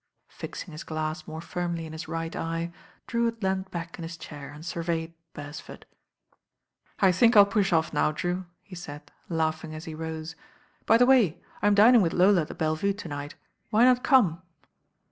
Fixing his glass more firmly in his right eye, Drewitt leaned back in his chair and surveyed Beresford. "I think ril push off now. Drew," he said, laugh ing as he rose. "By the way, Tm dining with Lola at the Belle Vue to night, why not come?"